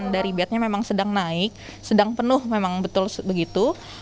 dari bednya memang sedang naik sedang penuh memang betul begitu